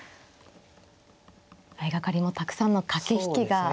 相掛かりもたくさんの駆け引きがある戦法。